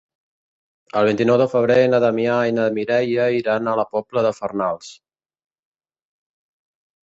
El vint-i-nou de febrer na Damià i na Mireia iran a la Pobla de Farnals.